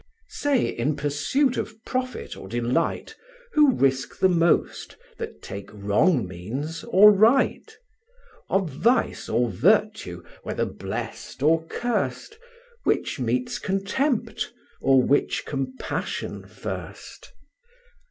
Say, in pursuit of profit or delight, Who risk the most, that take wrong means, or right; Of vice or virtue, whether blessed or cursed, Which meets contempt, or which compassion first?